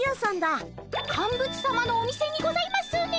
カンブツさまのお店にございますね。